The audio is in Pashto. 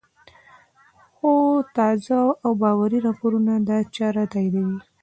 خو تازه او باوري راپورونه دا چاره تاییدوي